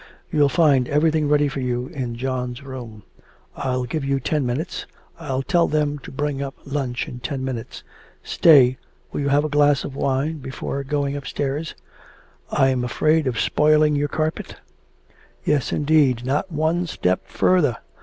You'll find everything ready for you in John's room. I'll give you ten minutes. I'll tell them to bring up lunch in ten minutes. Stay, will you have a glass of wine before going upstairs?' 'I am afraid of spoiling your carpet.' 'Yes, indeed! not one step further!